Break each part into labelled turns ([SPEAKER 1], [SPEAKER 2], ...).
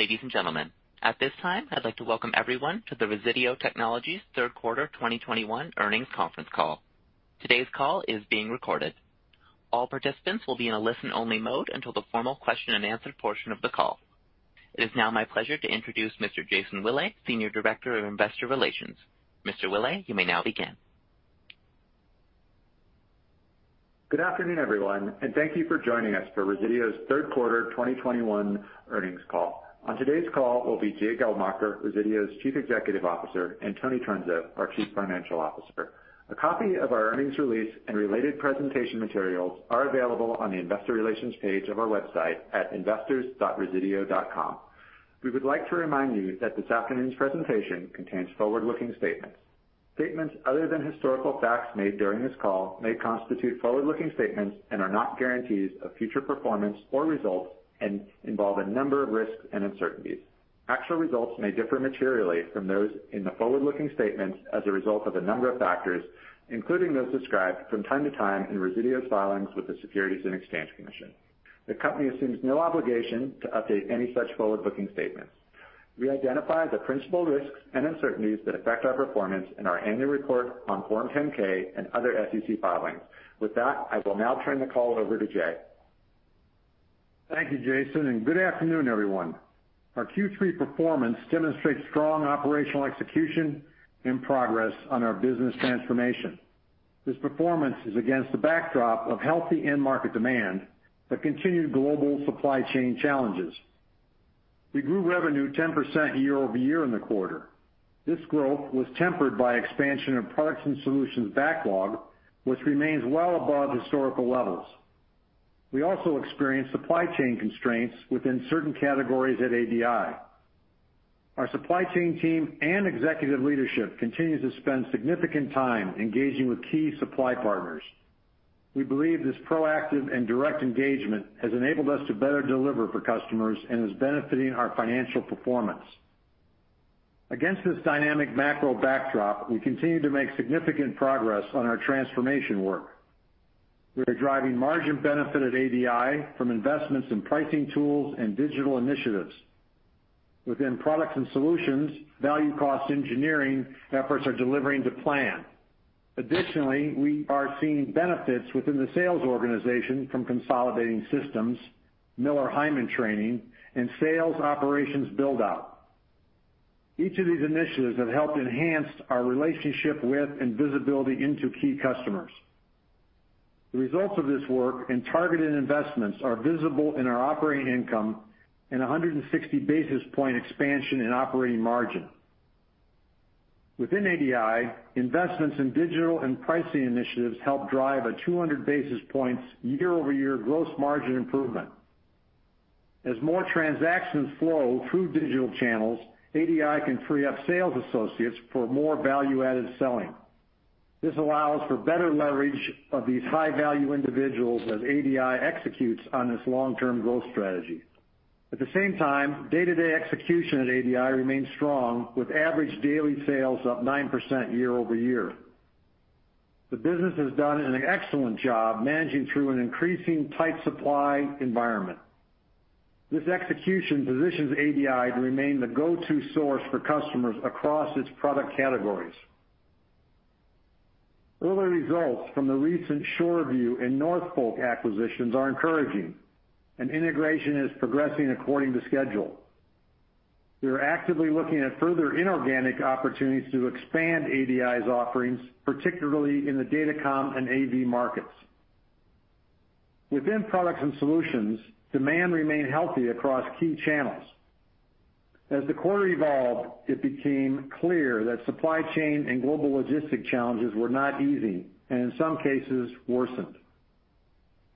[SPEAKER 1] Ladies and gentlemen, at this time, I'd like to welcome everyone to the Resideo Technologies third quarter 2021 earnings conference call. Today's call is being recorded. All participants will be in a listen-only mode until the formal question-and-answer portion of the call. It is now my pleasure to introduce Mr. Jason Willey, Senior Director of Investor Relations. Mr. Willey, you may now begin.
[SPEAKER 2] Good afternoon, everyone, and thank you for joining us for Resideo's third quarter 2021 earnings call. On today's call will be Jay Geldmacher, Resideo's Chief Executive Officer, and Tony Trunzo, our Chief Financial Officer. A copy of our earnings release and related presentation materials are available on the investor relations page of our website at investors.resideo.com. We would like to remind you that this afternoon's presentation contains forward-looking statements. Statements other than historical facts made during this call may constitute forward-looking statements and are not guarantees of future performance or results and involve a number of risks and uncertainties. Actual results may differ materially from those in the forward-looking statements as a result of a number of factors, including those described from time to time in Resideo's filings with the Securities and Exchange Commission. The company assumes no obligation to update any such forward-looking statements. We identify the principal risks and uncertainties that affect our performance in our annual report on Form 10-K and other SEC filings. With that, I will now turn the call over to Jay.
[SPEAKER 3] Thank you, Jason, and good afternoon, everyone. Our Q3 performance demonstrates strong operational execution and progress on our business transformation. This performance is against the backdrop of healthy end market demand, but continued global supply chain challenges. We grew revenue 10% year-over-year in the quarter. This growth was tempered by expansion of Products & Solutions backlog, which remains well above historical levels. We also experienced supply chain constraints within certain categories at ADI. Our supply chain team and executive leadership continues to spend significant time engaging with key supply partners. We believe this proactive and direct engagement has enabled us to better deliver for customers and is benefiting our financial performance. Against this dynamic macro backdrop, we continue to make significant progress on our transformation work. We are driving margin benefit at ADI from investments in pricing tools and digital initiatives. Within Products and Solutions, value cost engineering efforts are delivering to plan. Additionally, we are seeing benefits within the sales organization from consolidating systems, Miller Heiman training, and sales operations build-out. Each of these initiatives have helped enhance our relationship with and visibility into key customers. The results of this work and targeted investments are visible in our operating income and 160 basis points expansion in operating margin. Within ADI, investments in digital and pricing initiatives help drive a 200 basis points year-over-year gross margin improvement. As more transactions flow through digital channels, ADI can free up sales associates for more value-added selling. This allows for better leverage of these high-value individuals as ADI executes on its long-term growth strategy. At the same time, day-to-day execution at ADI remains strong, with average daily sales up 9% year-over-year. The business has done an excellent job managing through an increasingly tight supply environment. This execution positions ADI to remain the go-to source for customers across its product categories. Early results from the recent Shoreview and Norfolk acquisitions are encouraging, and integration is progressing according to schedule. We are actively looking at further inorganic opportunities to expand ADI's offerings, particularly in the datacom and AV markets. Within Products & Solutions, demand remained healthy across key channels. As the quarter evolved, it became clear that supply chain and global logistics challenges were not easing, and in some cases worsened.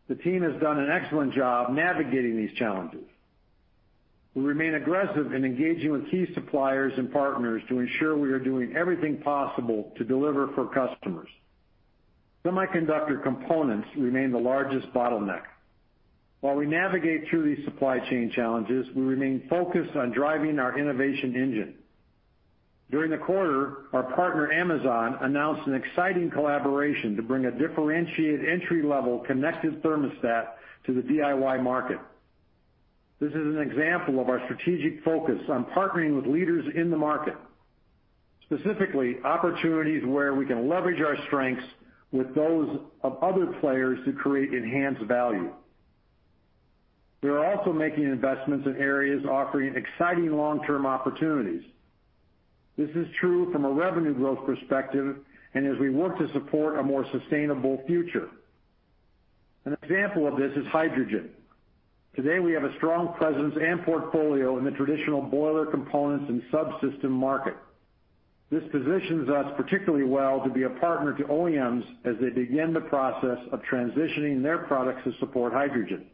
[SPEAKER 3] The team has done an excellent job navigating these challenges. We remain aggressive in engaging with key suppliers and partners to ensure we are doing everything possible to deliver for customers. Semiconductor components remain the largest bottleneck. While we navigate through these supply chain challenges, we remain focused on driving our innovation engine. During the quarter, our partner, Amazon, announced an exciting collaboration to bring a differentiated entry-level connected thermostat to the DIY market. This is an example of our strategic focus on partnering with leaders in the market, specifically opportunities where we can leverage our strengths with those of other players to create enhanced value. We are also making investments in areas offering exciting long-term opportunities. This is true from a revenue growth perspective and as we work to support a more sustainable future. An example of this is hydrogen. Today, we have a strong presence and portfolio in the traditional boiler components and subsystem market. This positions us particularly well to be a partner to OEMs as they begin the process of transitioning their products to support hydrogen.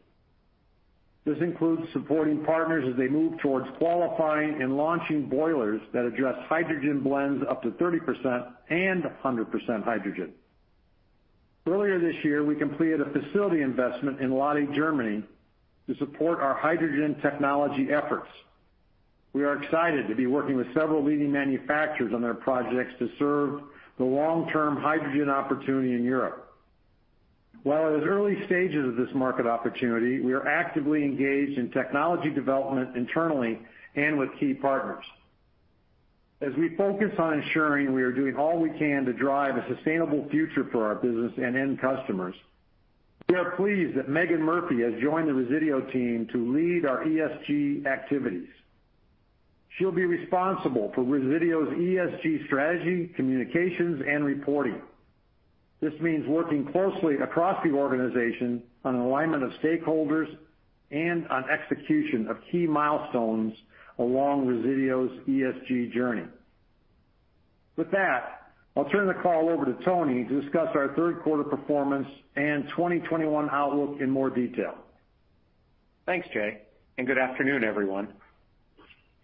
[SPEAKER 3] This includes supporting partners as they move towards qualifying and launching boilers that address hydrogen blends up to 30% and 100% hydrogen. Earlier this year, we completed a facility investment in Lotte, Germany, to support our hydrogen technology efforts. We are excited to be working with several leading manufacturers on their projects to serve the long-term hydrogen opportunity in Europe. While at its early stages of this market opportunity, we are actively engaged in technology development internally and with key partners. As we focus on ensuring we are doing all we can to drive a sustainable future for our business and end customers, we are pleased that Megan Murphy has joined the Resideo team to lead our ESG activities. She'll be responsible for Resideo's ESG strategy, communications, and reporting. This means working closely across the organization on alignment of stakeholders and on execution of key milestones along Resideo's ESG journey. With that, I'll turn the call over to Tony to discuss our third quarter performance and 2021 outlook in more detail.
[SPEAKER 4] Thanks, Jay, and good afternoon, everyone.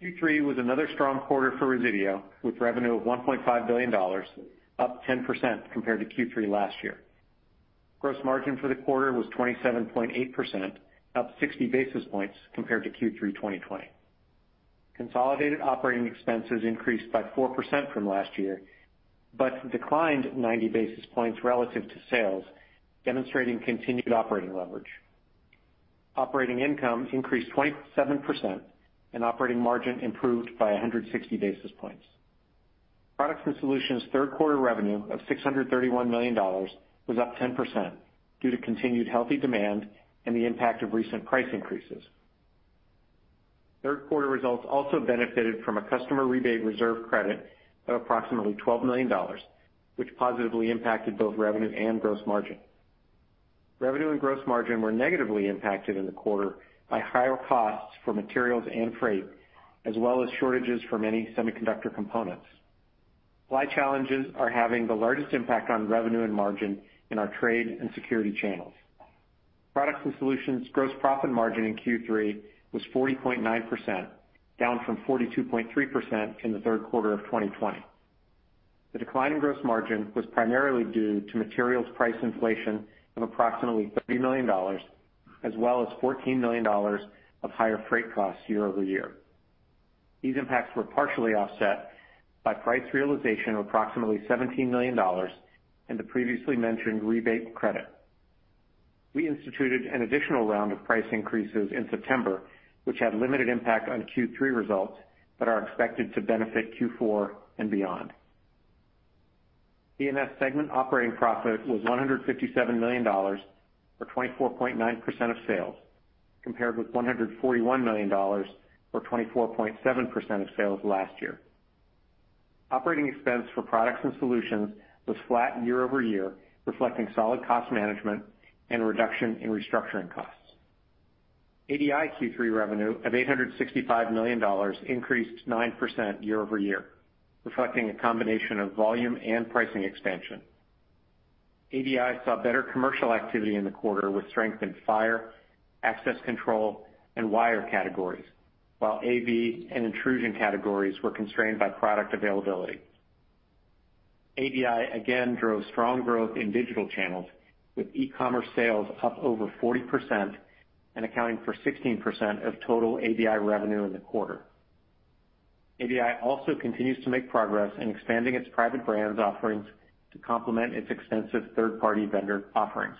[SPEAKER 4] Q3 was another strong quarter for Resideo, with revenue of $1.5 billion, up 10% compared to Q3 last year. Gross margin for the quarter was 27.8%, up 60 basis points compared to Q3 2020. Consolidated operating expenses increased by 4% from last year, but declined 90 basis points relative to sales, demonstrating continued operating leverage. Operating income increased 27%, and operating margin improved by 160 basis points. Products & Solutions third quarter revenue of $631 million was up 10% due to continued healthy demand and the impact of recent price increases. Third quarter results also benefited from a customer rebate reserve credit of approximately $12 million, which positively impacted both revenue and gross margin. Revenue and gross margin were negatively impacted in the quarter by higher costs for materials and freight, as well as shortages for many semiconductor components. Supply challenges are having the largest impact on revenue and margin in our trade and security channels. Products & Solutions gross profit margin in Q3 was 40.9%, down from 42.3% in the third quarter of 2020. The decline in gross margin was primarily due to materials price inflation of approximately $30 million, as well as $14 million of higher freight costs year over year. These impacts were partially offset by price realization of approximately $17 million and the previously mentioned rebate credit. We instituted an additional round of price increases in September, which had limited impact on Q3 results, but are expected to benefit Q4 and beyond. P&S segment operating profit was $157 million, or 24.9% of sales, compared with $141 million, or 24.7% of sales last year. Operating expense for Products & Solutions was flat year-over-year, reflecting solid cost management and a reduction in restructuring costs. ADI Q3 revenue of $865 million increased 9% year-over-year, reflecting a combination of volume and pricing expansion. ADI saw better commercial activity in the quarter with strength in fire, access control, and wire categories, while AV and intrusion categories were constrained by product availability. ADI again drove strong growth in digital channels, with e-commerce sales up over 40% and accounting for 16% of total ADI revenue in the quarter. ADI also continues to make progress in expanding its private brands offerings to complement its extensive third-party vendor offerings.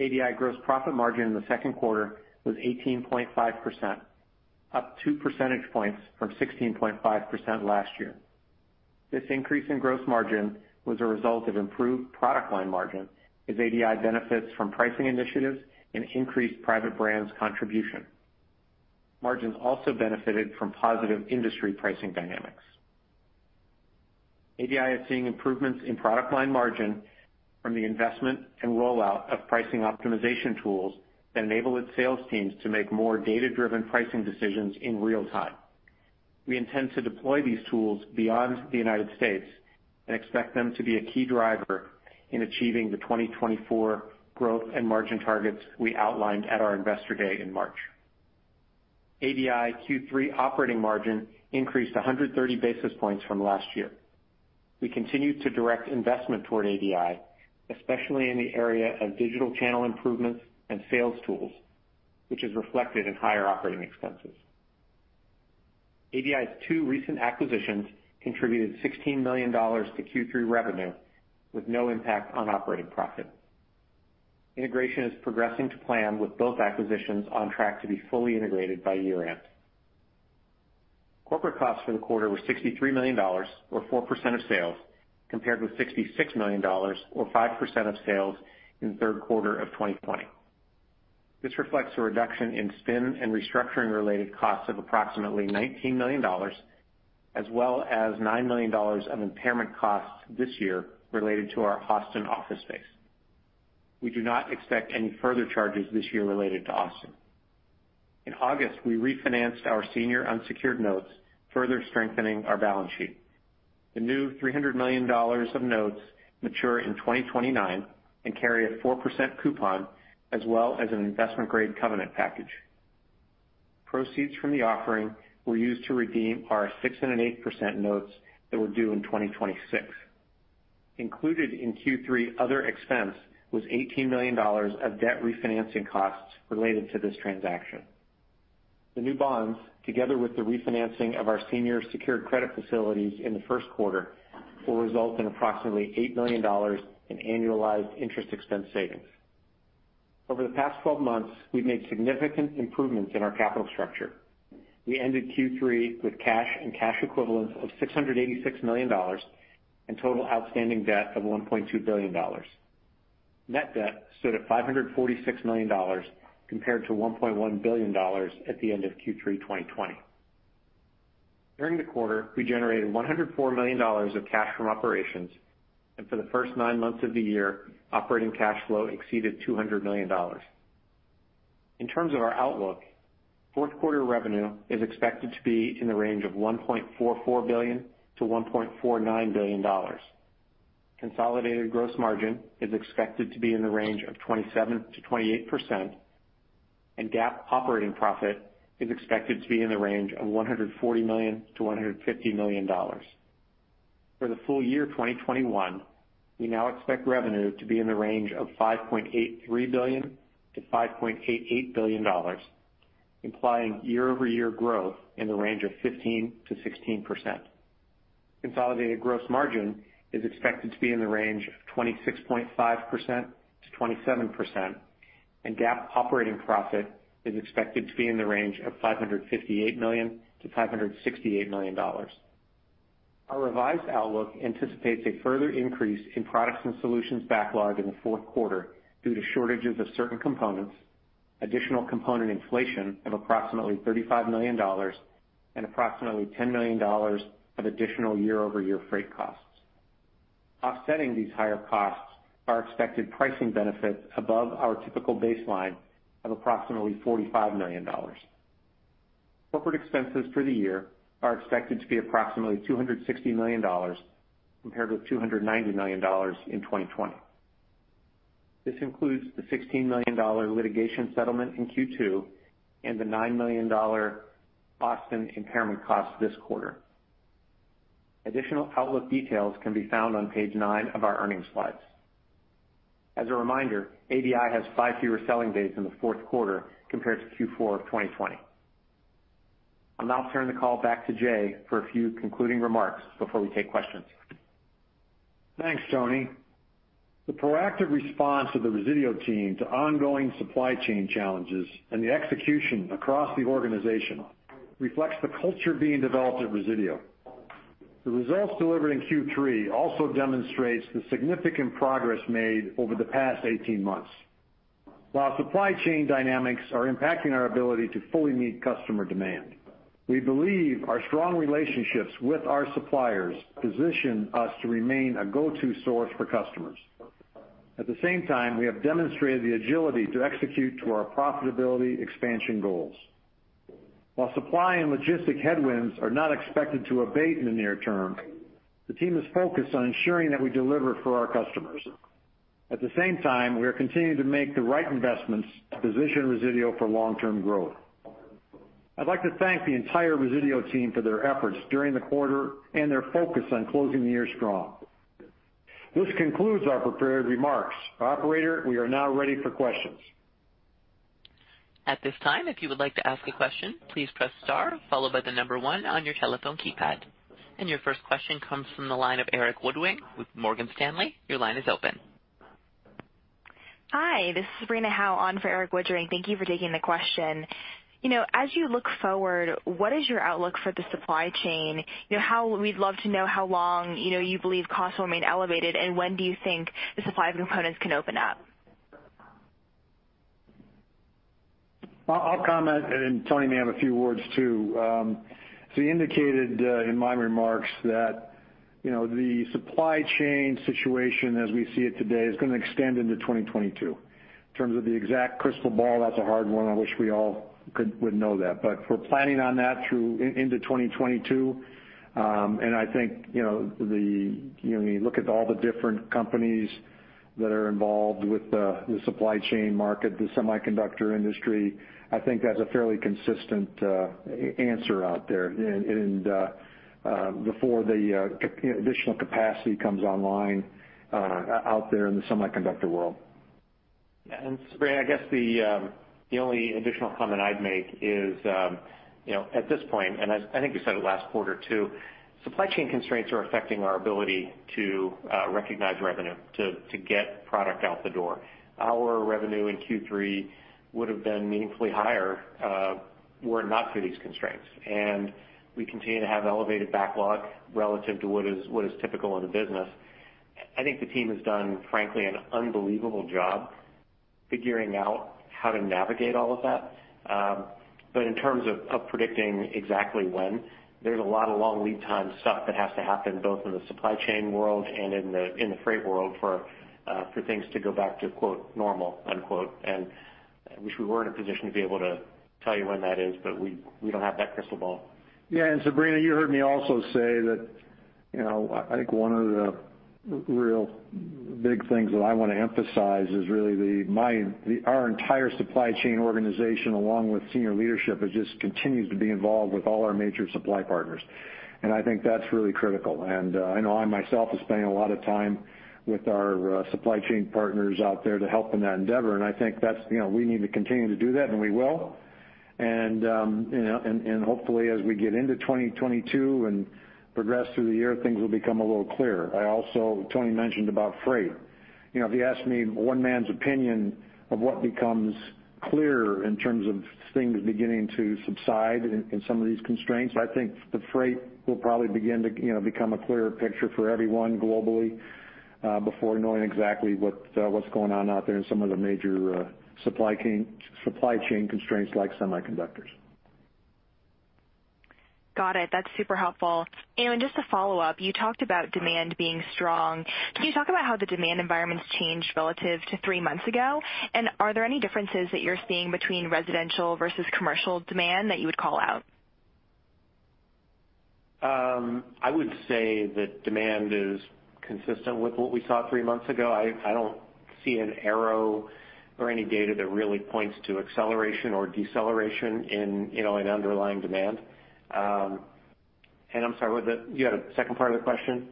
[SPEAKER 4] ADI gross profit margin in the second quarter was 18.5%, up 2 percentage points from 16.5% last year. This increase in gross margin was a result of improved product line margin as ADI benefits from pricing initiatives and increased private brands contribution. Margins also benefited from positive industry pricing dynamics. ADI is seeing improvements in product line margin from the investment and rollout of pricing optimization tools that enable its sales teams to make more data-driven pricing decisions in real time. We intend to deploy these tools beyond the United States and expect them to be a key driver in achieving the 2024 growth and margin targets we outlined at our Investor Day in March. ADI Q3 operating margin increased 130 basis points from last year. We continue to direct investment toward ADI, especially in the area of digital channel improvements and sales tools, which is reflected in higher operating expenses. ADI's two recent acquisitions contributed $16 million to Q3 revenue with no impact on operating profit. Integration is progressing to plan with both acquisitions on track to be fully integrated by year-end. Corporate costs for the quarter were $63 million or 4% of sales, compared with $66 million or 5% of sales in the third quarter of 2020. This reflects a reduction in spin and restructuring-related costs of approximately $19 million, as well as $9 million of impairment costs this year related to our Austin office space. We do not expect any further charges this year related to Austin. In August, we refinanced our senior unsecured notes, further strengthening our balance sheet. The new $300 million of notes mature in 2029 and carry a 4% coupon as well as an investment-grade covenant package. Proceeds from the offering were used to redeem our 6.8% notes that were due in 2026. Included in Q3 other expense was $18 million of debt refinancing costs related to this transaction. The new bonds, together with the refinancing of our senior secured credit facilities in the first quarter, will result in approximately $8 million in annualized interest expense savings. Over the past 12 months, we've made significant improvements in our capital structure. We ended Q3 with cash and cash equivalents of $686 million and total outstanding debt of $1.2 billion. Net debt stood at $546 million compared to $1.1 billion at the end of Q3 2020. During the quarter, we generated $104 million of cash from operations, and for the first nine months of the year, operating cash flow exceeded $200 million. In terms of our outlook, fourth quarter revenue is expected to be in the range of $1.44 billion-$1.49 billion. Consolidated gross margin is expected to be in the range of 27%-28%, and GAAP operating profit is expected to be in the range of $140 million-$150 million. For the full year 2021, we now expect revenue to be in the range of $5.83 billion-$5.88 billion, implying year-over-year growth in the range of 15%-16%. Consolidated gross margin is expected to be in the range of 26.5%-27%, and GAAP operating profit is expected to be in the range of $558 million-$568 million. Our revised outlook anticipates a further increase in Products & Solutions backlog in the fourth quarter due to shortages of certain components, additional component inflation of approximately $35 million and approximately $10 million of additional year-over-year freight costs. Offsetting these higher costs are expected pricing benefits above our typical baseline of approximately $45 million. Corporate expenses for the year are expected to be approximately $260 million compared with $290 million in 2020. This includes the $16 million litigation settlement in Q2 and the $9 million Austin impairment cost this quarter. Additional outlook details can be found on page nine of our earnings slides. As a reminder, ADI has 5 fewer selling days in the fourth quarter compared to Q4 of 2020. I'll now turn the call back to Jay for a few concluding remarks before we take questions.
[SPEAKER 3] Thanks, Tony. The proactive response of the Resideo team to ongoing supply chain challenges and the execution across the organization reflects the culture being developed at Resideo. The results delivered in Q3 also demonstrates the significant progress made over the past 18 months. While supply chain dynamics are impacting our ability to fully meet customer demand, we believe our strong relationships with our suppliers position us to remain a go-to source for customers. At the same time, we have demonstrated the agility to execute to our profitability expansion goals. While supply and logistics headwinds are not expected to abate in the near term, the team is focused on ensuring that we deliver for our customers. At the same time, we are continuing to make the right investments to position Resideo for long-term growth. I'd like to thank the entire Resideo team for their efforts during the quarter and their focus on closing the year strong. This concludes our prepared remarks. Operator, we are now ready for questions.
[SPEAKER 1] At this time, if you would like to ask a question, please press star followed by the number one on your telephone keypad. Your first question comes from the line of Erik Woodring with Morgan Stanley. Your line is open.
[SPEAKER 5] Hi, this is Sabrina Howe on for Erik Woodring. Thank you for taking the question. You know, as you look forward, what is your outlook for the supply chain? You know, We'd love to know how long, you know, you believe costs will remain elevated, and when do you think the supply of components can open up?
[SPEAKER 3] I'll comment, and Tony may have a few words, too. He indicated in my remarks that, you know, the supply chain situation as we see it today is gonna extend into 2022. In terms of the exact crystal ball, that's a hard one. I wish we all would know that. We're planning on that into 2022. I think, you know, when you look at all the different companies that are involved with the supply chain market, the semiconductor industry, I think that's a fairly consistent answer out there. Before the, you know, additional capacity comes online, out there in the semiconductor world.
[SPEAKER 4] Sabrina, I guess the only additional comment I'd make is, you know, at this point, I think we said it last quarter too, supply chain constraints are affecting our ability to recognize revenue, to get product out the door. Our revenue in Q3 would have been meaningfully higher, were it not for these constraints. We continue to have elevated backlog relative to what is typical in the business. I think the team has done, frankly, an unbelievable job figuring out how to navigate all of that. But in terms of predicting exactly when, there's a lot of long lead time stuff that has to happen both in the supply chain world and in the freight world for things to go back to, quote, normal, unquote. I wish we were in a position to be able to tell you when that is, but we don't have that crystal ball.
[SPEAKER 3] Yeah. Sabrina, you heard me also say that, you know, I think one of the real big things that I wanna emphasize is really our entire supply chain organization, along with senior leadership, has just continued to be involved with all our major supply partners. I think that's really critical. I know I myself have spent a lot of time with our supply chain partners out there to help in that endeavor. I think that's, you know, we need to continue to do that, and we will. You know, hopefully as we get into 2022 and progress through the year, things will become a little clearer. I also, Tony mentioned about freight. You know, if you asked me one man's opinion of what becomes clearer in terms of things beginning to subside in some of these constraints, I think the freight will probably begin to, you know, become a clearer picture for everyone globally before knowing exactly what's going on out there in some of the major supply chain constraints like semiconductors.
[SPEAKER 5] Got it. That's super helpful. Just to follow up, you talked about demand being strong. Can you talk about how the demand environment's changed relative to three months ago? Are there any differences that you're seeing between residential versus commercial demand that you would call out?
[SPEAKER 4] I would say that demand is consistent with what we saw three months ago. I don't see an arrow or any data that really points to acceleration or deceleration in, you know, in underlying demand. I'm sorry, you had a second part of the question?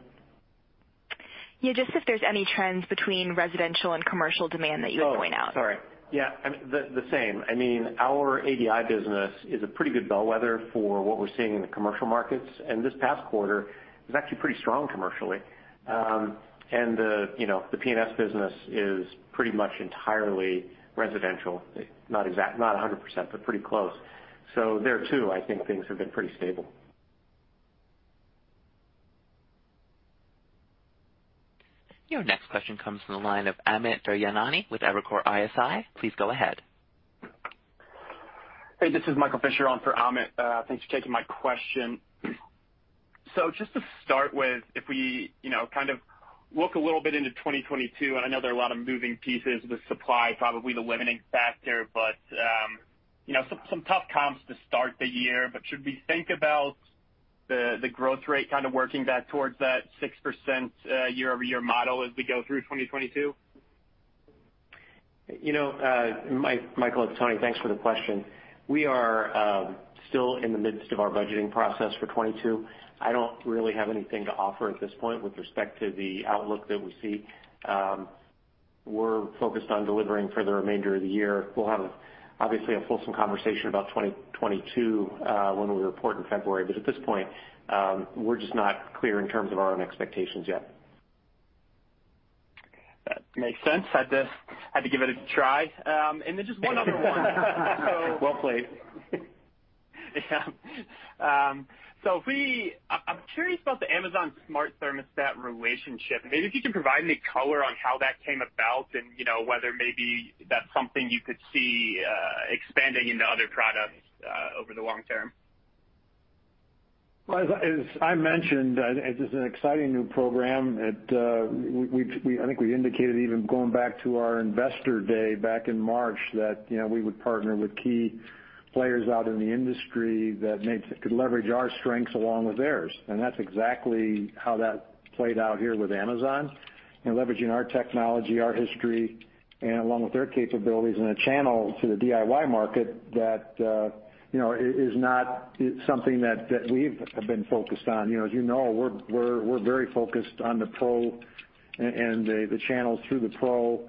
[SPEAKER 5] Yeah, just if there's any trends between residential and commercial demand that you would point out?
[SPEAKER 4] Oh, sorry. Yeah, I mean, the same. I mean, our ADI business is a pretty good bellwether for what we're seeing in the commercial markets, and this past quarter was actually pretty strong commercially. And the, you know, the P&S business is pretty much entirely residential. Not a 100%, but pretty close. There too, I think things have been pretty stable.
[SPEAKER 1] Your next question comes from the line of Amit Daryanani with Evercore ISI. Please go ahead.
[SPEAKER 6] Hey, this is Michael Fisher on for Amit. Thanks for taking my question. Just to start with, if we, you know, kind of look a little bit into 2022, and I know there are a lot of moving pieces with supply probably the limiting factor. You know, some tough comps to start the year, but should we think about the growth rate kind of working back towards that 6% year-over-year model as we go through 2022?
[SPEAKER 4] You know, Michael and Tony, thanks for the question. We are still in the midst of our budgeting process for 2022. I don't really have anything to offer at this point with respect to the outlook that we see. We're focused on delivering for the remainder of the year. We'll have obviously a fulsome conversation about 2022 when we report in February. At this point, we're just not clear in terms of our own expectations yet.
[SPEAKER 6] That makes sense. Had to give it a try. Then just one other one.
[SPEAKER 4] Well played.
[SPEAKER 6] Yeah. I'm curious about the Amazon Smart Thermostat relationship. Maybe if you can provide any color on how that came about and, you know, whether maybe that's something you could see expanding into other products over the long term.
[SPEAKER 3] Well, as I mentioned, this is an exciting new program. I think we indicated even going back to our Investor Day back in March that, you know, we would partner with key players out in the industry that could leverage our strengths along with theirs. That's exactly how that played out here with Amazon, you know, leveraging our technology, our history, and along with their capabilities and a channel to the DIY market that, you know, is not something that we've been focused on. You know, as you know, we're very focused on the pro and the channels through the pro.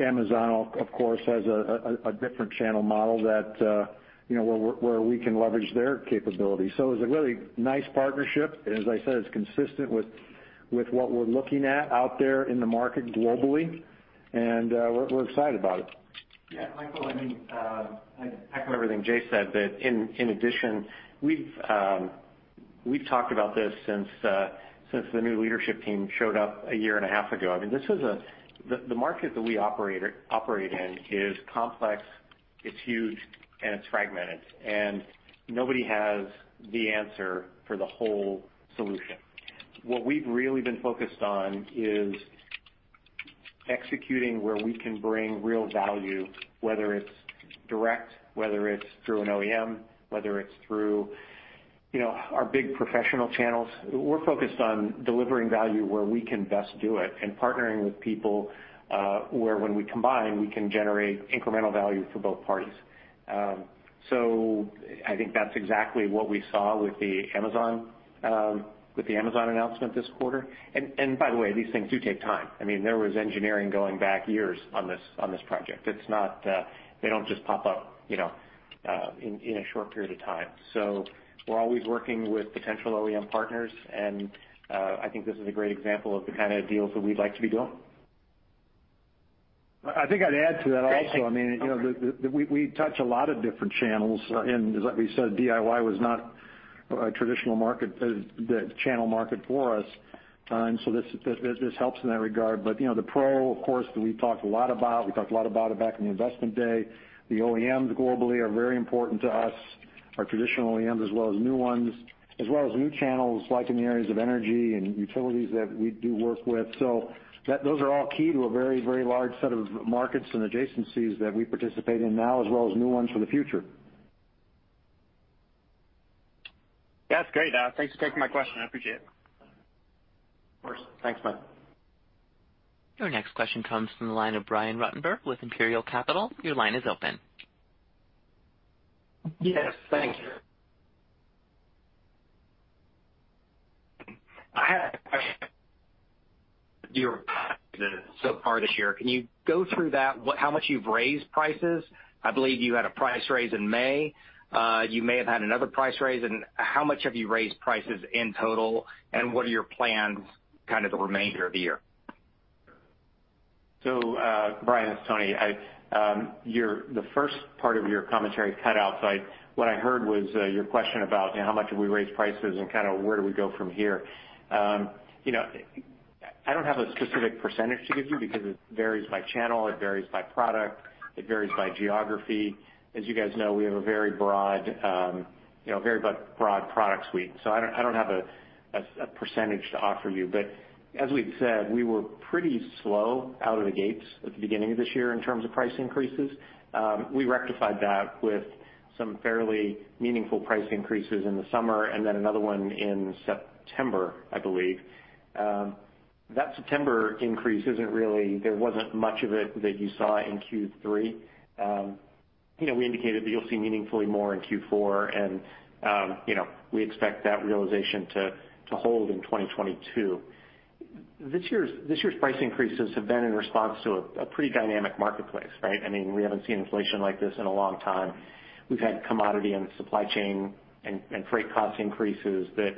[SPEAKER 3] Amazon of course has a different channel model that, you know, where we can leverage their capability. It was a really nice partnership, and as I said, it's consistent with what we're looking at out there in the market globally, and we're excited about it.
[SPEAKER 4] Yeah, Michael, let me echo everything Jay said. In addition, we've talked about this since the new leadership team showed up a year and a half ago. I mean, this was the market that we operate in is complex, it's huge, and it's fragmented, and nobody has the answer for the whole solution. What we've really been focused on is executing where we can bring real value, whether it's direct, whether it's through an OEM, whether it's through our big professional channels. We're focused on delivering value where we can best do it and partnering with people where when we combine, we can generate incremental value for both parties. So I think that's exactly what we saw with the Amazon announcement this quarter. By the way, these things do take time. I mean, there was engineering going back years on this project. They don't just pop up, you know, in a short period of time. We're always working with potential OEM partners, and I think this is a great example of the kind of deals that we'd like to be doing.
[SPEAKER 3] I think I'd add to that also.
[SPEAKER 6] Great. Thank you.
[SPEAKER 3] I mean, you know, we touch a lot of different channels, and as like we said, DIY was not a traditional market, the channel market for us. This helps in that regard. You know, the pro, of course, that we've talked a lot about, we talked a lot about it back in the Investor Day. The OEMs globally are very important to us, our traditional OEMs as well as new ones, as well as new channels like in the areas of energy and utilities that we do work with. Those are all key to a very large set of markets and adjacencies that we participate in now as well as new ones for the future.
[SPEAKER 6] That's great. Thanks for taking my question. I appreciate it.
[SPEAKER 3] Of course. Thanks, Matt.
[SPEAKER 1] Your next question comes from the line of Brian Ruttenbur with Imperial Capital. Your line is open.
[SPEAKER 7] Yes, thank you. I had a question. So far this year, can you go through that, how much you've raised prices? I believe you had a price raise in May. You may have had another price raise. How much have you raised prices in total, and what are your plans kind of the remainder of the year?
[SPEAKER 4] Brian, it's Tony. The first part of your commentary cut out, so what I heard was your question about, you know, how much have we raised prices and kinda where do we go from here. You know, I don't have a specific percentage to give you because it varies by channel, it varies by product, it varies by geography. As you guys know, we have a very broad, you know, very broad product suite. I don't have a percentage to offer you. As we've said, we were pretty slow out of the gates at the beginning of this year in terms of price increases. We rectified that with some fairly meaningful price increases in the summer and then another one in September, I believe. That September increase, there wasn't much of it that you saw in Q3. You know, we indicated that you'll see meaningfully more in Q4 and, you know, we expect that realization to hold in 2022. This year's price increases have been in response to a pretty dynamic marketplace, right? I mean, we haven't seen inflation like this in a long time. We've had commodity and supply chain and freight cost increases that,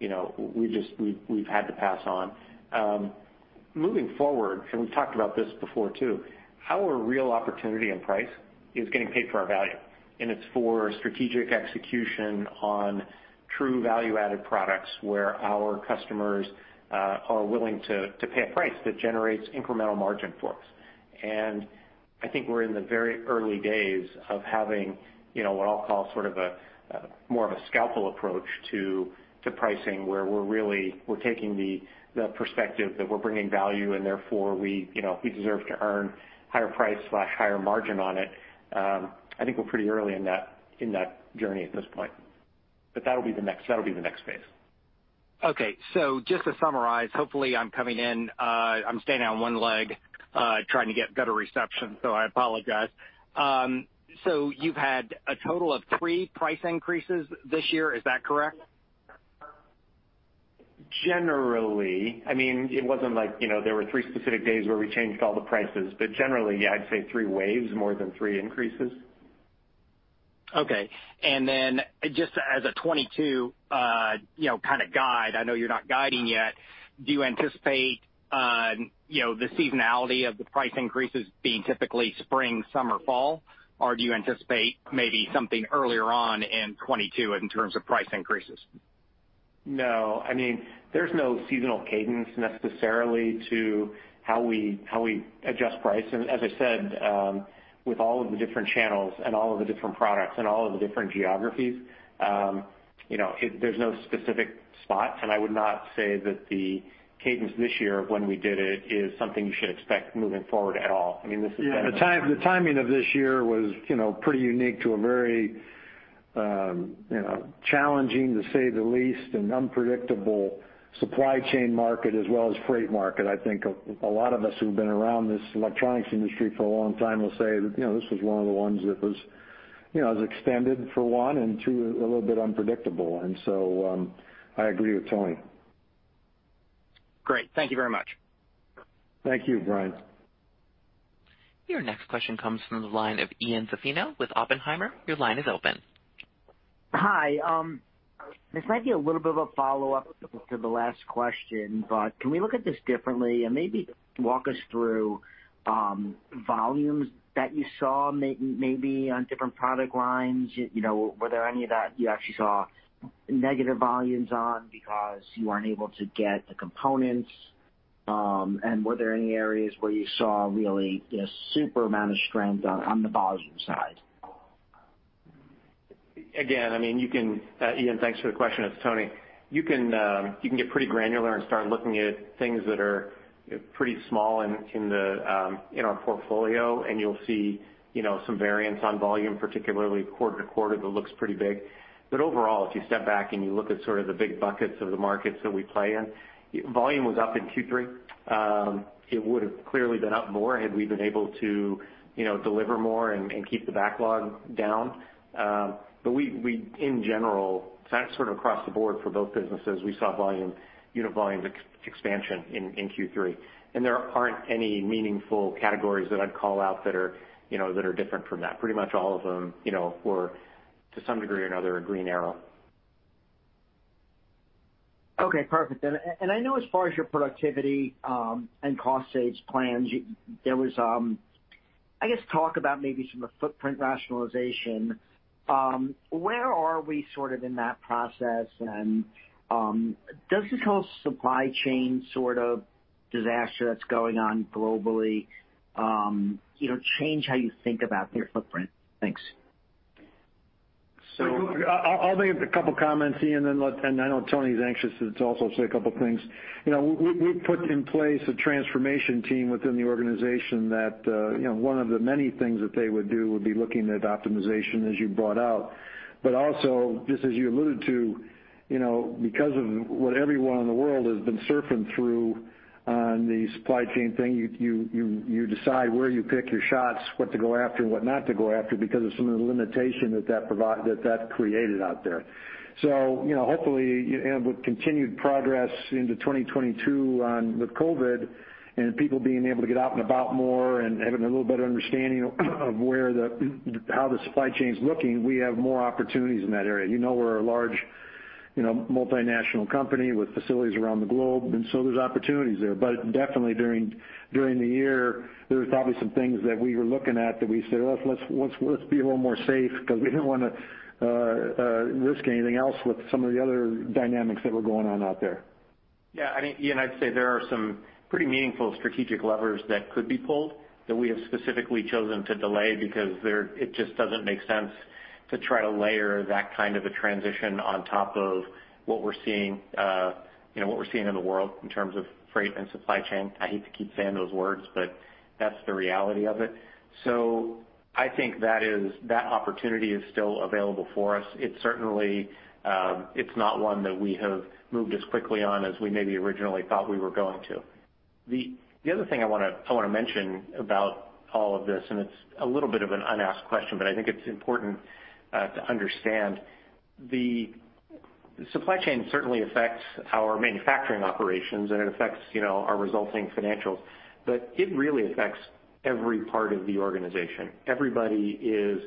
[SPEAKER 4] you know, we just, we've had to pass on. Moving forward, we've talked about this before too, our real opportunity on price is getting paid for our value, and it's for strategic execution on true value-added products where our customers are willing to pay a price that generates incremental margin for us. I think we're in the very early days of having, you know, what I'll call sort of a more of a scalpel approach to pricing, where we're really taking the perspective that we're bringing value and therefore we, you know, we deserve to earn higher price/higher margin on it. I think we're pretty early in that journey at this point. That'll be the next phase.
[SPEAKER 7] Okay. Just to summarize, hopefully I'm coming in, I'm standing on one leg, trying to get better reception, so I apologize. You've had a total of three price increases this year, is that correct?
[SPEAKER 4] Generally. I mean, it wasn't like, you know, there were three specific days where we changed all the prices, but generally, yeah, I'd say three waves more than three increases.
[SPEAKER 7] Okay. Just as a 2022, you know, kind of guide, I know you're not guiding yet, do you anticipate, you know, the seasonality of the price increases being typically spring, summer, fall? Or do you anticipate maybe something earlier on in 2022 in terms of price increases?
[SPEAKER 4] No. I mean, there's no seasonal cadence necessarily to how we adjust price. As I said, with all of the different channels and all of the different products and all of the different geographies, you know, there's no specific spot, and I would not say that the cadence this year of when we did it is something you should expect moving forward at all. I mean, this has been
[SPEAKER 3] Yeah, the timing of this year was, you know, pretty unique to a very, you know, challenging to say the least and unpredictable supply chain market as well as freight market. I think a lot of us who've been around this electronics industry for a long time will say that, you know, this was one of the ones that was, you know, it was extended for one, and two, a little bit unpredictable. I agree with Tony.
[SPEAKER 7] Great. Thank you very much.
[SPEAKER 3] Thank you, Brian.
[SPEAKER 1] Your next question comes from the line of Ian Zaffino with Oppenheimer. Your line is open.
[SPEAKER 8] Hi. This might be a little bit of a follow-up to the last question, but can we look at this differently and maybe walk us through volumes that you saw maybe on different product lines? You know, were there any that you actually saw negative volumes on because you weren't able to get the components? Were there any areas where you saw really a super amount of strength on the volume side?
[SPEAKER 4] Again, I mean, you can Ian, thanks for the question. It's Tony. You can get pretty granular and start looking at things that are pretty small in the in our portfolio, and you'll see, you know, some variance on volume, particularly quarter-over-quarter, that looks pretty big. Overall, if you step back and you look at sort of the big buckets of the markets that we play in, volume was up in Q3. It would've clearly been up more had we been able to, you know, deliver more and keep the backlog down. We, in general, sort of across the board for both businesses, saw volume, unit volume expansion in Q3. There aren't any meaningful categories that I'd call out that are, you know, that are different from that. Pretty much all of them, you know, were to some degree or another a green arrow.
[SPEAKER 8] Okay, perfect. I know as far as your productivity, and cost saves plans, there was, I guess talk about maybe some of the footprint rationalization. Where are we sort of in that process? Does this whole supply chain sort of disaster that's going on globally, you know, change how you think about your footprint? Thanks.
[SPEAKER 3] I'll make a couple comments, Ian, and I know Tony's anxious to also say a couple things. You know, we put in place a transformation team within the organization that you know, one of the many things that they would do would be looking at optimization as you brought out. Also, just as you alluded to, you know, because of what everyone in the world has been suffering through on the supply chain thing, you decide where you pick your shots, what to go after and what not to go after because of some of the limitations that created out there. You know, hopefully you end up with continued progress into 2022 with COVID and people being able to get out and about more and having a little better understanding of how the supply chain is looking. We have more opportunities in that area. You know, we're a large, you know, multinational company with facilities around the globe, and so there's opportunities there. Definitely during the year, there was probably some things that we were looking at that we said, "Let's be a little more safe because we didn't wanna risk anything else with some of the other dynamics that were going on out there.
[SPEAKER 4] Yeah, I think, Ian, I'd say there are some pretty meaningful strategic levers that could be pulled that we have specifically chosen to delay because they're it just doesn't make sense to try to layer that kind of a transition on top of what we're seeing, you know, what we're seeing in the world in terms of freight and supply chain. I hate to keep saying those words, but that's the reality of it. I think that opportunity is still available for us. It's certainly, it's not one that we have moved as quickly on as we maybe originally thought we were going to. The other thing I wanna mention about all of this, and it's a little bit of an unasked question, but I think it's important to understand. The supply chain certainly affects our manufacturing operations, and it affects, you know, our resulting financials, but it really affects every part of the organization. Everybody is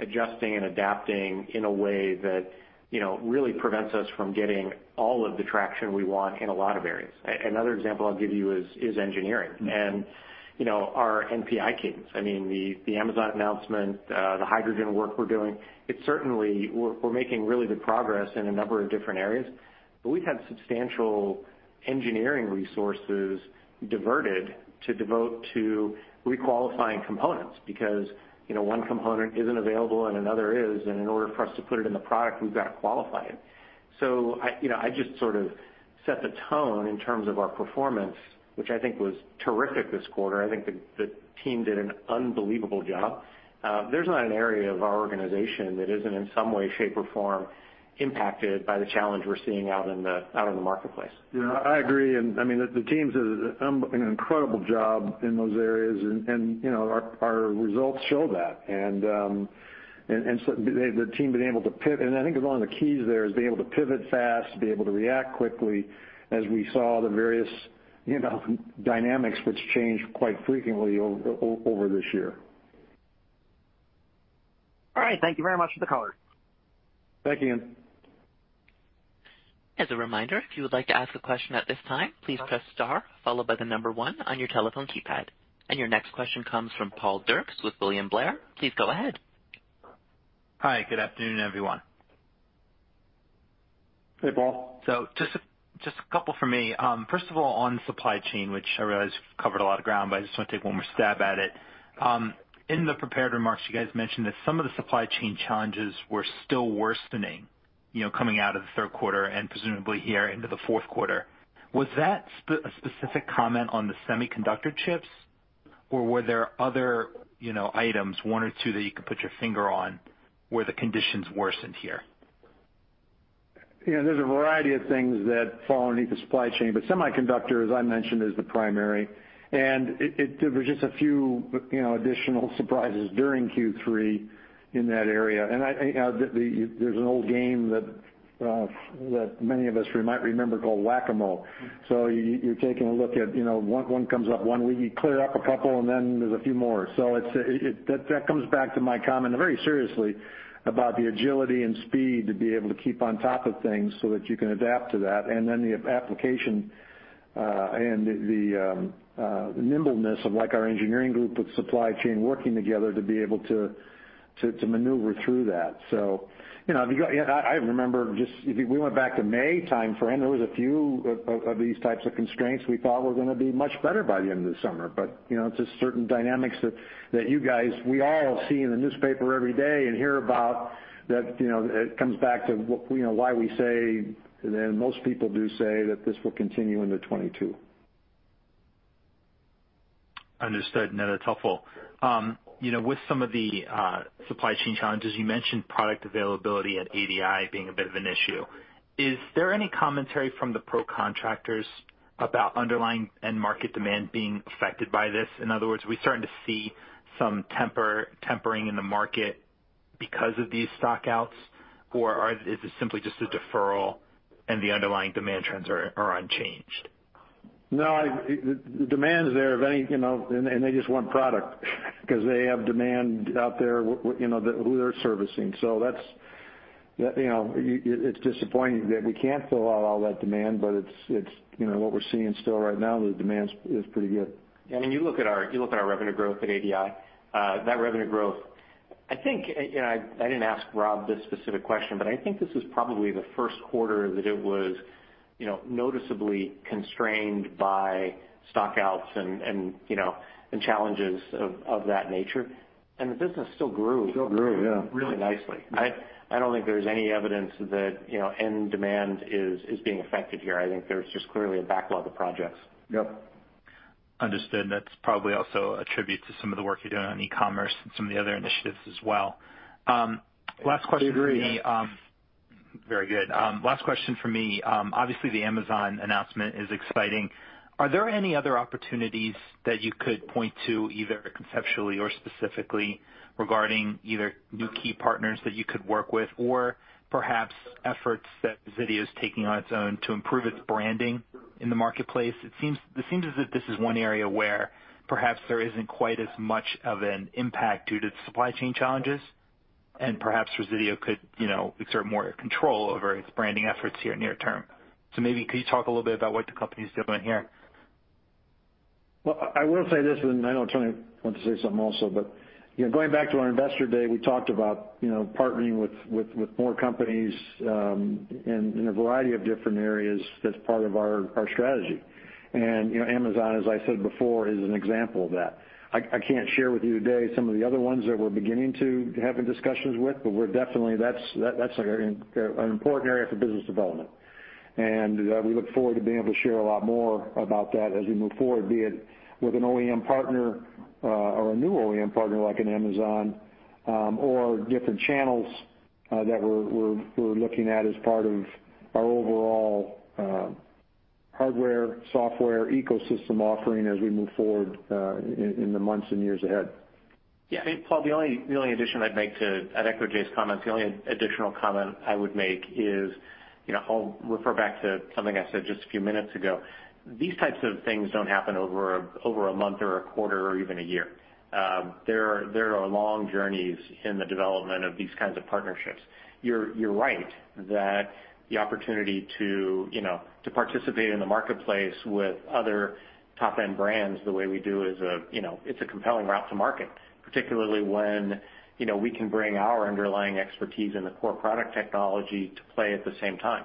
[SPEAKER 4] adjusting and adapting in a way that, you know, really prevents us from getting all of the traction we want in a lot of areas. Another example I'll give you is engineering. You know, our NPI teams, I mean, the Amazon announcement, the hydrogen work we're doing, it's certainly we're making really good progress in a number of different areas. But we've had substantial engineering resources diverted to devote to re-qualifying components because, you know, one component isn't available and another is, and in order for us to put it in the product, we've got to qualify it. I, you know, I just sort of set the tone in terms of our performance, which I think was terrific this quarter. I think the team did an unbelievable job. There's not an area of our organization that isn't in some way, shape, or form impacted by the challenge we're seeing out in the marketplace.
[SPEAKER 3] Yeah, I agree. I mean, the teams did an incredible job in those areas and, you know, our results show that. I think is one of the keys there, being able to pivot fast, be able to react quickly as we saw the various, you know, dynamics which changed quite frequently over this year.
[SPEAKER 8] All right. Thank you very much for the color.
[SPEAKER 3] Thank you.
[SPEAKER 1] As a reminder, if you would like to ask a question at this time, please press star followed by one on your telephone keypad. Your next question comes from Paul Dircks with William Blair. Please go ahead.
[SPEAKER 9] Hi. Good afternoon, everyone.
[SPEAKER 3] Hey, Paul.
[SPEAKER 9] Just a couple for me. First of all, on supply chain, which I realize you've covered a lot of ground, but I just want to take one more stab at it. In the prepared remarks, you guys mentioned that some of the supply chain challenges were still worsening, you know, coming out of the third quarter and presumably here into the fourth quarter. Was that a specific comment on the semiconductor chips, or were there other, you know, items, one or two that you could put your finger on where the conditions worsened here?
[SPEAKER 3] Yeah. There's a variety of things that fall underneath the supply chain, but semiconductor, as I mentioned, is the primary. There was just a few, you know, additional surprises during Q3 in that area. There's an old game that many of us might remember called Whac-A-Mole. You're taking a look at, you know, one comes up, we clear up a couple, and then there's a few more. It's that comes back to my comment very seriously about the agility and speed to be able to keep on top of things so that you can adapt to that, and then the application and the nimbleness of like our engineering group with supply chain working together to be able to maneuver through that. You know, I remember just if we went back to May timeframe, there was a few of these types of constraints we thought were gonna be much better by the end of the summer. You know, just certain dynamics that you guys, we all see in the newspaper every day and hear about that, you know, it comes back to why we say, and most people do say that this will continue into 2022.
[SPEAKER 9] Understood. No, that's helpful. You know, with some of the supply chain challenges, you mentioned product availability at ADI being a bit of an issue. Is there any commentary from the pro contractors about underlying end market demand being affected by this? In other words, are we starting to see some tempering in the market because of these stockouts, or is it simply just a deferral and the underlying demand trends are unchanged?
[SPEAKER 3] No, the demand is there anyway, you know, and they just want product 'cause they have demand out there with, you know, who they're servicing. That's, you know, it's disappointing that we can't fill out all that demand, but it's, you know, what we're seeing still right now. The demand is pretty good.
[SPEAKER 4] I mean, you look at our revenue growth at ADI, that revenue growth, I think, and I didn't ask Rob this specific question, but I think this is probably the first quarter that it was, you know, noticeably constrained by stockouts and you know, challenges of that nature. The business still grew-
[SPEAKER 3] Still grew, yeah....
[SPEAKER 4] really nicely. I don't think there's any evidence that, you know, end demand is being affected here. I think there's just clearly a backlog of projects.
[SPEAKER 3] Yep.
[SPEAKER 9] Understood. That's probably also a tribute to some of the work you're doing on e-commerce and some of the other initiatives as well. Last question for me,
[SPEAKER 3] We agree.
[SPEAKER 9] Very good. Last question from me. Obviously, the Amazon announcement is exciting. Are there any other opportunities that you could point to either conceptually or specifically regarding either new key partners that you could work with or perhaps efforts that Resideo is taking on its own to improve its branding in the marketplace? It seems as if this is one area where perhaps there isn't quite as much of an impact due to supply chain challenges, and perhaps Resideo could, you know, exert more control over its branding efforts here near term. Maybe could you talk a little bit about what the company is doing here?
[SPEAKER 3] Well, I will say this, and I know Tony wants to say something also. You know, going back to our Investor Day, we talked about, you know, partnering with more companies in a variety of different areas. That's part of our strategy. You know, Amazon, as I said before, is an example of that. I can't share with you today some of the other ones that we're beginning to have discussions with, but we're definitely that's an important area for business development. We look forward to being able to share a lot more about that as we move forward, be it with an OEM partner, or a new OEM partner like an Amazon, or different channels that we're looking at as part of our overall hardware, software ecosystem offering as we move forward in the months and years ahead.
[SPEAKER 4] Yeah. I think, Paul, the only addition I'd make. I'd echo Jay's comments. The only additional comment I would make is, you know, I'll refer back to something I said just a few minutes ago. These types of things don't happen over a month or a quarter or even a year. There are long journeys in the development of these kinds of partnerships. You're right that the opportunity to, you know, to participate in the marketplace with other top-end brands the way we do is a, you know, it's a compelling route to market, particularly when, you know, we can bring our underlying expertise in the core product technology to play at the same time.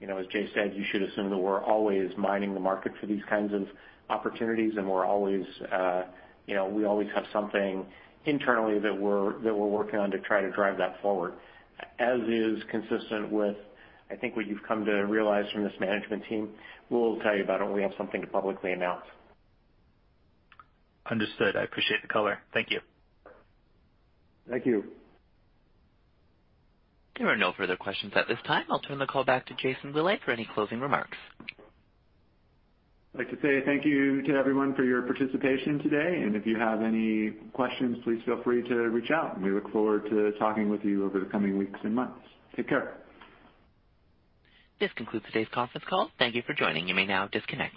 [SPEAKER 4] You know, as Jay said, you should assume that we're always mining the market for these kinds of opportunities, and we're always, you know, we always have something internally that we're working on to try to drive that forward. As is consistent with, I think, what you've come to realize from this management team, we'll tell you about it when we have something to publicly announce.
[SPEAKER 9] Understood. I appreciate the color. Thank you.
[SPEAKER 3] Thank you.
[SPEAKER 1] There are no further questions at this time. I'll turn the call back to Jason Willey for any closing remarks.
[SPEAKER 2] I'd like to say thank you to everyone for your participation today. If you have any questions, please feel free to reach out, and we look forward to talking with you over the coming weeks and months. Take care.
[SPEAKER 1] This concludes today's conference call. Thank you for joining. You may now disconnect.